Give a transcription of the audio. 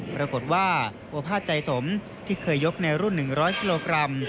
ปรากฏว่าโอภาษใจสมที่เคยยกในรุ่น๑๐๐กิโลกรัม